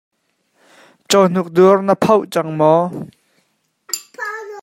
Cawhnuk dur na phauh cang maw?